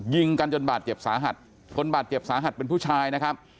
ยิงกันจนบาดเจ็บสาหัสคนบาดเจ็บสาหัสเป็นผู้ชายนะครับ